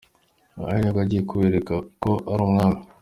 Ubu ni bwo agiye kubereka ko ari Umwami.